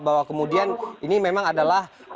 bahwa kemudian ini memang adalah